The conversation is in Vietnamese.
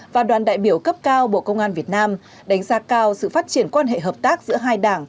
và đoàn đại biểu cấp cao bộ công an việt nam đánh giá cao sự phát triển quan hệ hợp tác giữa hai đảng